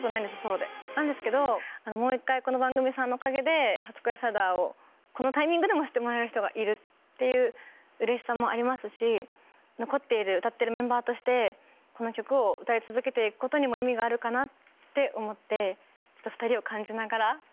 なんですけどもう１回この番組さんのおかげで『初恋サイダー』をこのタイミングでも知ってもらえる人がいるっていううれしさもありますし残っている歌っているメンバーとしてこの曲を歌い続けて行くことにも意味があるかなって思って。